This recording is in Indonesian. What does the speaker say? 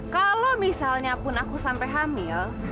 kalau misalnya pun aku sampai hamil